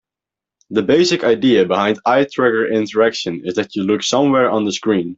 The basic idea behind eye tracker interaction is that you look somewhere on the screen.